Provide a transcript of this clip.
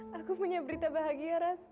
aku punya berita bahagia ras